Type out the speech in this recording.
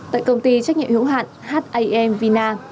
tại công ty trách nhiệm hữu hạn ham vina